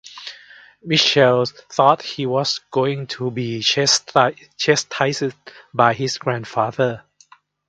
Mitchell thought he was going to be chastised by his grandfather.